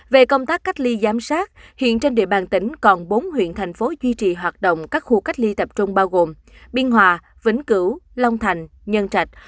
về công tác cách ly giám sát hiện trên địa bàn tỉnh còn bốn huyện thành phố duy trì hoạt động các khu cách ly tập trung bao gồm biên hòa vĩnh cửu long thành nhân trạch